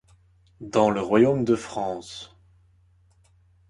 Dans le royaume de France.